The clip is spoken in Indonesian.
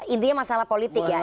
intinya masalah politik ya